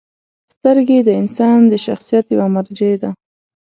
• سترګې د انسان د شخصیت یوه مرجع ده.